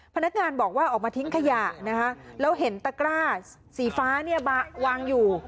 พนักงานบอกว่าออกมาทิ้งขยะนะคะแล้วเห็นตะกร้าสีฟ้าเนี่ยวางอยู่